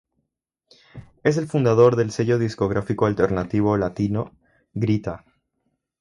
Es el fundador del sello discográfico alternativo latino, Grita!